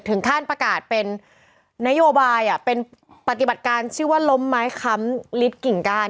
ขั้นประกาศเป็นนโยบายเป็นปฏิบัติการชื่อว่าล้มไม้ค้ำลิดกิ่งก้าน